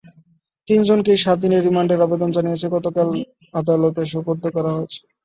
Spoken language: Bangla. তিনজনকেই সাত দিনের রিমান্ডের আবেদন জানিয়ে গতকাল আদালতে সোপর্দ করা হয়েছে।